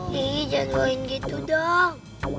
nih jangan ngelain gitu dong